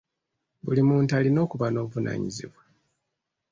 Buli muntu alina okuba n'obuvunaanyizibwa.